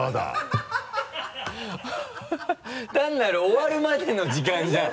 単なる終わるまでの時間じゃん。